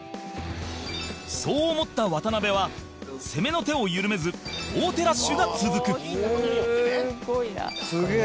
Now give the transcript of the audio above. そう思った渡辺は攻めの手を緩めず王手ラッシュが続く伊達：すげえ！